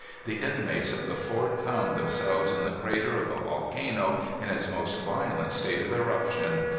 The inmates of the fort found themselves in the crater of a volcano in its most violent state of eruption.